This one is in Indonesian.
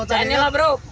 cainnya lah bro